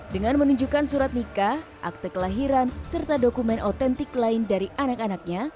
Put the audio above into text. dengan menunjukkan surat nikah akte kelahiran serta dokumen otentik lain dari anak anaknya